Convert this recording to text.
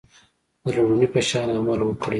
د لومړني په شان عمل وکړئ.